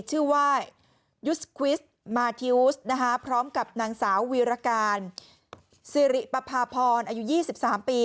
ชื่อว่ายุสควิสมาธิวสพร้อมกับนางสาววีรการสิริปภาพรอายุ๒๓ปี